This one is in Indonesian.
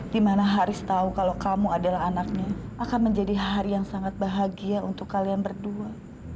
dimana haris tahu kalau kamu adalah anaknya akan menjadi hari yang sangat bahagia untuk kalian berdua